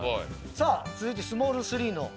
さあ続いてスモール３の。